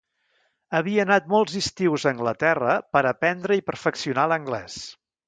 Havia anat molts estius a Anglaterra per aprendre i perfeccionar l'anglès.